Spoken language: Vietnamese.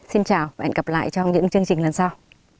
xin chào và hẹn gặp lại trong những chương trình lần sau